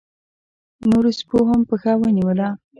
نورو سپيو هم پښه ونيوله.